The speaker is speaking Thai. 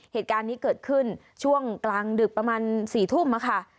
เหตุการณ์นี้เกิดขึ้นช่วงกลางดึกประมาณ๔ทุ่มค่ะ